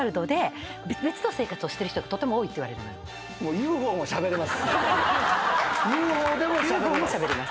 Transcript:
ＵＦＯもしゃべれます。